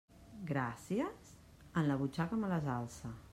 Gràcies?, en la butxaca me les alce.